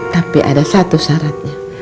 tapi ada satu syaratnya